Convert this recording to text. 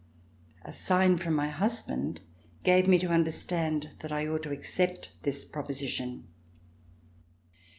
A sign from my husband gave me to understand that I ought to accept this proposition.